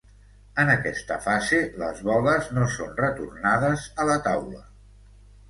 En aquesta fase, les boles no són retornades a la taula.